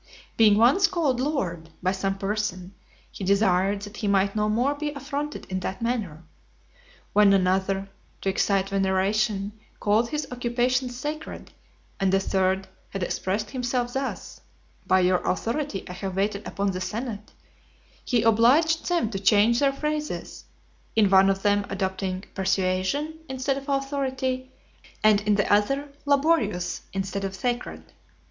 Being once called "lord," by some person, he desired that he might no more be affronted in that manner. When another, to excite veneration, called his occupations "sacred," and a third had expressed himself thus: "By your authority I have waited upon the senate," he obliged them to change their phrases; in one of them adopting persuasion, instead of "authority," and in the other, laborious, instead of "sacred."